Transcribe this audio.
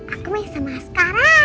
aku main sama askaran